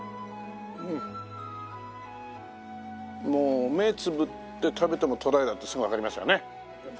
もう目つぶって食べてもとらやだってすぐわかりますよね。